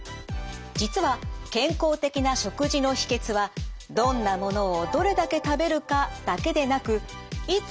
実は健康的な食事の秘けつはどんなものをどれだけ食べるかだけでなく「いつ」